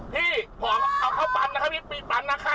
พี่ของเอาเข้าปันนะครับพี่ปิดปันนะค่ะครับครับ